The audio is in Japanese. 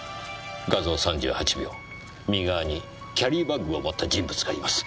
画像３８秒右側にキャリーバッグを持った人物がいます。